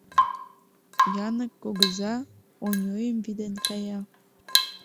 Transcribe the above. Янык кугыза Оньойым вӱден кая.